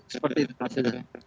seperti itu maksudnya